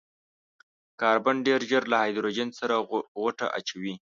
کاربن ډېر ژر له هايډروجن سره غوټه اچوي.